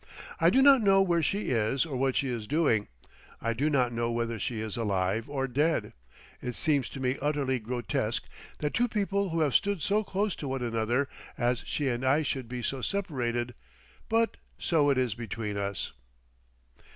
I do not know where she is or what she is doing. I do not know whether she is alive or dead. It seems to me utterly grotesque that two people who have stood so close to one another as she and I should be so separated, but so it is between us.